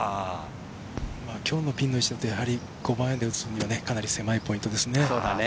きょうのピンの位置だと、５番アイアンで打つのはかなり狭いポイントです。